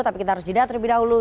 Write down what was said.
tapi kita harus jeda terlebih dahulu